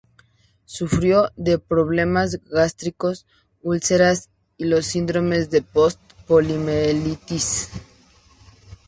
Sufrió de problemas gástricos, úlceras y los síndromes del post-poliomelitis.